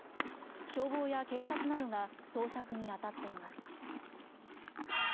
消防や警察などが捜索に当たっています。